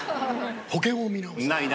保険を見直したい。